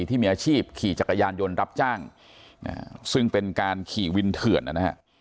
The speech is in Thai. ที่มีอาชีพขี่จักรยานยนต์รับจ้างซึ่งเป็นการขี่วินเถื่อนนะฮะ